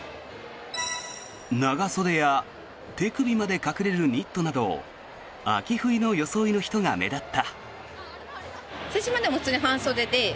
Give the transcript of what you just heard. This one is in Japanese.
長袖や手首まで隠れるニットなど秋冬の装いの人が目立った。